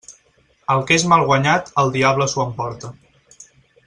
El que és mal guanyat el diable s'ho emporta.